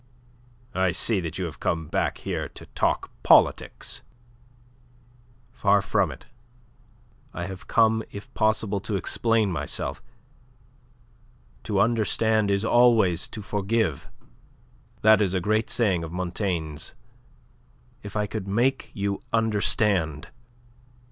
"I see that you have come here to talk politics." "Far from it. I have come, if possible, to explain myself. To understand is always to forgive. That is a great saying of Montaigne's. If I could make you understand..."